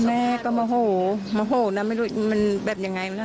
แม่ก็โมโหโมโหนะไม่รู้มันแบบยังไงนะ